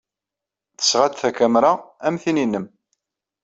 Tesɣa-d takamra am tin-nnem.